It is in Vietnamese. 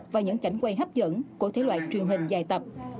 và những cảnh quay hấp dẫn của thế loại truyền hình dài tập